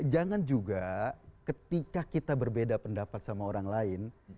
jangan juga ketika kita berbeda pendapat sama orang lain